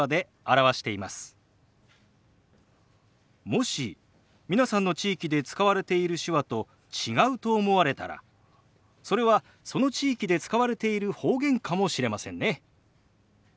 もし皆さんの地域で使われている手話と違うと思われたらそれはその地域で使われている方言かもしれませんね。